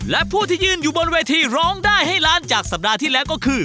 และผู้ที่ยืนอยู่บนเวทีร้องได้ให้ล้านจากสัปดาห์ที่แล้วก็คือ